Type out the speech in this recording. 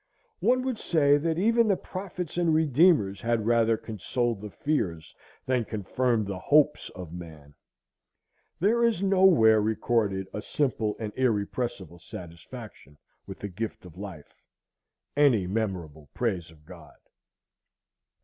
One would say that even the prophets and redeemers had rather consoled the fears than confirmed the hopes of man. There is nowhere recorded a simple and irrepressible satisfaction with the gift of life, any memorable praise of God.